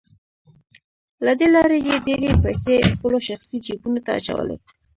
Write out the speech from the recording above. له دې لارې یې ډېرې پیسې خپلو شخصي جیبونو ته اچولې